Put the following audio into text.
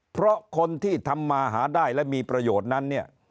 เพราะคนที่ทำมาหาได้และมีประโยชน์นั้นเนี่ย